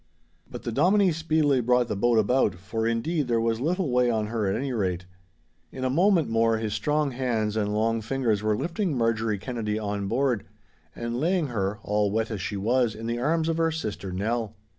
But the Dominie speedily brought the boat about, for indeed there was little way on her at anyrate. In a moment more his strong hands and long fingers were lifting Marjorie Kennedy on board, and laying her, all wet as she was, in the arms of her sister Nell.